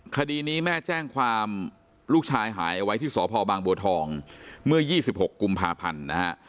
คดีนี้แม่แจ้งความลูกชายหายไว้ที่ศภบางบังบัวทองเมื่อ๒๖กุมภาพันธุ์